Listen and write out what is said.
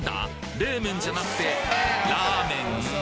冷麺じゃなくてラーメン？